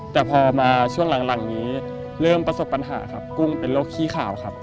แต่พอมาช่วงหลังนี้เริ่มประสบปัญหาครับกุ้งเป็นโรคขี้ขาวครับ